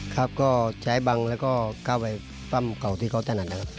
ครับก็ใช้บังแล้วก็ก้าวไปปั้มเก่าที่เขาถนัดนะครับ